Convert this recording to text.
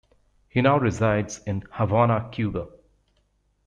He now resides in Havana, Cuba.